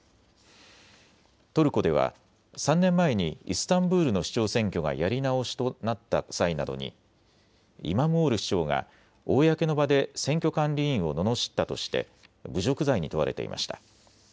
トルコでは３年前にイスタンブールの市長選挙がやり直しとなった際などにイマムオール市長が公の場で選挙管理委員をののしったとして侮辱罪に問われていました。